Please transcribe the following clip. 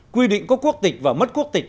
quy định có quốc tịch và mất quốc tịch